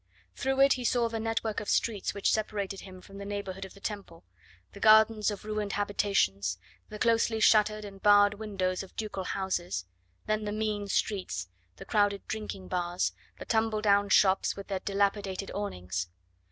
Through it he saw the network of streets which separated him from the neighbourhood of the Temple, the gardens of ruined habitations, the closely shuttered and barred windows of ducal houses, then the mean streets, the crowded drinking bars, the tumble down shops with their dilapidated awnings.